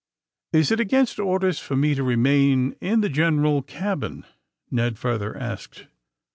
*^Is it against orders for me to remain in the general cabin?" Ned further asked.